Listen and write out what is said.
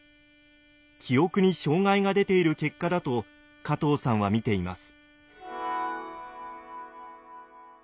記憶に障害が出ている結果だと加藤さんは見ています。